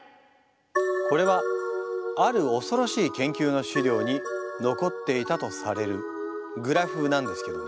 これはある恐ろしい研究の資料に残っていたとされるグラフなんですけどね。